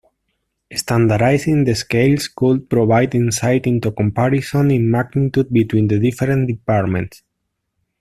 Standardizing the scales could provide insight into comparisons in magnitude between the different departments.